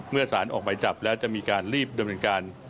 เมื่อสารออกหมายจับแล้วจะมีการรีบดำเนินการ